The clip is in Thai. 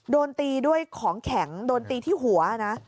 โดนตีด้วยของแข็งโดนตีที่หัวนะ